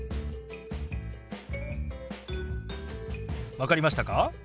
分かりましたか？